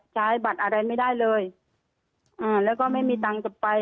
ใช้บัตรอะไรไม่ได้เลยอ่าแล้วก็ไม่มีตังค์จะไป